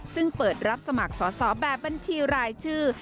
ซึ่งเปิดรับสมัครสอบแบบบัญชีรายชื่อ